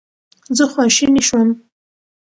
زه خواشینی شوم.